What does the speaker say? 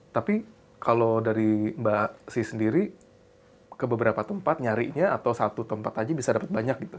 tapi kalau dari mbak si sendiri ke beberapa tempat nyarinya atau satu tempat aja bisa dapat banyak gitu